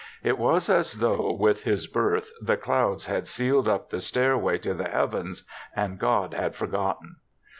It was as though with his birth the clouds had sealed up the stairway to the heavens and God had forgotten.